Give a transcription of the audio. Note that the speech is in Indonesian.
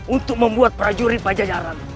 untuk membuat prajurit pajajaran